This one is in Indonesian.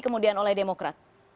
kemudian oleh demokrat